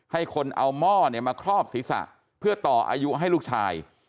ให้คนเอาหม้อมาครอบศีรษะเพื่อต่ออายุให้ลูกชาย